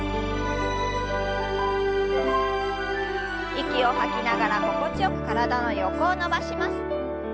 息を吐きながら心地よく体の横を伸ばします。